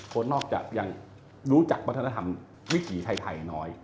โค้ชนอกอย่างรู้จักปรัฒนธรรมวิถีไทยน้อย